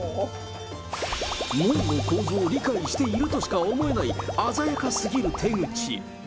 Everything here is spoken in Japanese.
門の構造を理解しているとしか思えない、鮮やかすぎる手口。